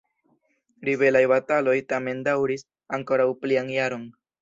Ribelaj bataloj tamen daŭris ankoraŭ plian jaron.